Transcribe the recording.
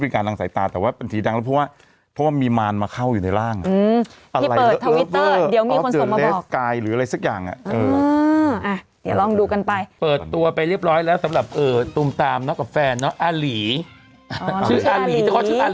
เออคุณติ๊กมากคือเป็นคนที่กลัวการดูซีรีส์เพราะมันไม่ให้นอน